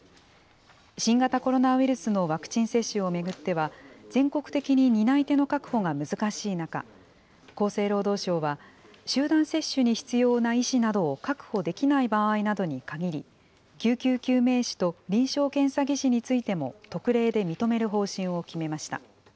新型コロナウイルスのワクチン接種を巡っては、全国的に担い手の確保が難しい中、厚生労働省は、集団接種に必要な医師などを確保できない場合などに限り、救急救命士と臨床検査技師についても特例で認める方針を決めました。